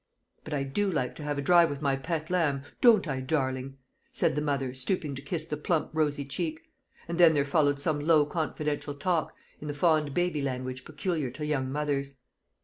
"But I do like to have a drive with my pet lamb, don't I, darling?" said the mother, stooping to kiss the plump rosy cheek. And then there followed some low confidential talk, in the fond baby language peculiar to young mothers.